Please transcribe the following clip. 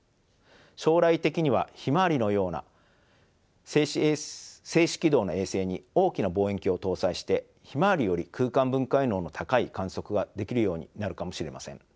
将来的にはひまわりのような静止軌道の衛星に大きな望遠鏡を搭載してひまわりより空間分解能の高い観測ができるようになるかもしれません。